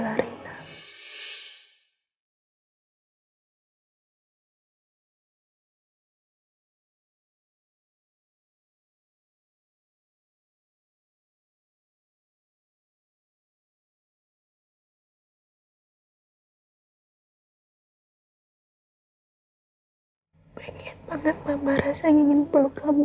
hai pengen banget mama rasanya nyimpul kamu